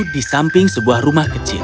di samping sebuah rumah kecil